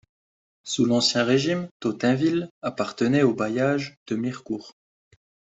Sous l'Ancien Régime, Totainville appartenait au bailliage de Mirecourt.